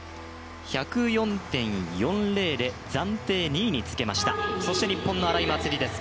１０４．４０で暫定２位につけましたそして日本の荒井祭里です。